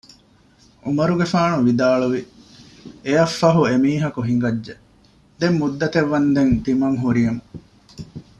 ޢުމަރުގެފާނު ވިދާޅުވި އެއަށް ފަހު އެ މީހަކު ހިނގައްޖެ ދެން މުއްދަތެއް ވާނދެން ތިމަން ހުރީމު